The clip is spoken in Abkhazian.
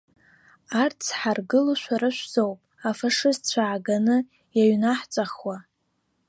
Арҭ ззҳаргыло шәара шәзоуп, афашистцәа ааганы иауҩнаҳҵахуа.